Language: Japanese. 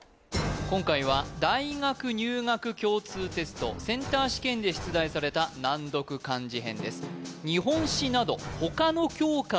今回は大学入学共通テストセンター試験で出題された難読漢字編です